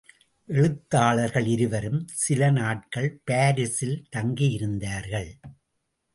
எழுத்தாளர்கள் இருவரும் சில நாட்கள் பாரிஸில் தங்கியிருந்தார்கள்.